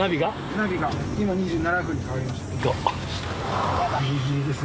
今２７分に変わりました。